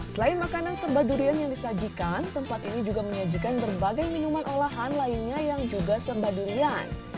selain makanan serba durian yang disajikan tempat ini juga menyajikan berbagai minuman olahan lainnya yang juga serba durian